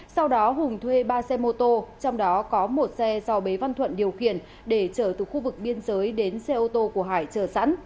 sau đó hùng thuê ba xe mô tô trong đó có một xe do bế văn thuận điều khiển để chở từ khu vực biên giới đến xe ô tô của hải chờ sẵn